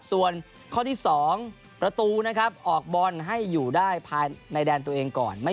ส่วนข้อที่๒ประตูนะครับออกบอลให้อยู่ได้ภายในแดนตัวเองก่อน